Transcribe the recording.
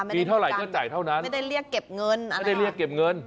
ให้ตามกำลังศรัทธาไม่ได้เรียกเก็บเงิน